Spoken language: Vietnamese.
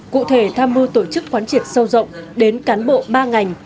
cụ thể tham mưu tổ chức quán triệt sâu rộng đến cán bộ ba ngành